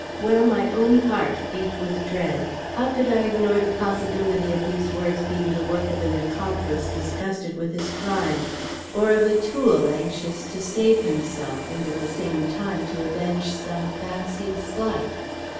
While my own heart beat with dread, how could I ignore the possibility of these words being the work of an accomplice disgusted with his crime, or of a tool anxious to save himself, and at the same time to avenge some fancied slight?